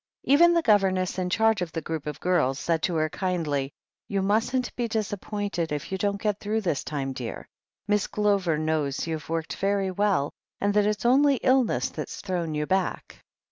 Even the governess in charge of the group of girls said to her kindly : "You mustn't be disappointed if you don't get through this time, dear. Miss Glover knows you've worked very well, and that it's only illness that's thrown you back."